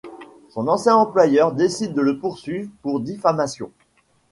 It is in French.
Son ancien employeur décide de le poursuive pour diffamation.